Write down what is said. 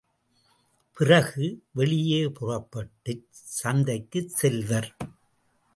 பிறகு வெளியே புறப்பட்டுச் சந்தைக்குச் செல்வர்.